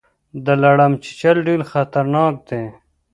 د لړم چیچل ډیر خطرناک دي